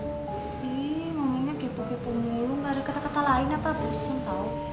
ih ngomongnya kepo kepo mulu gak ada kata kata lain apa pusing tau